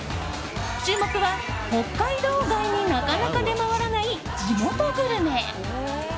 注目は北海道外になかなか出回らない地元グルメ。